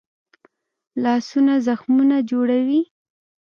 لاسونه زخمونه جوړوي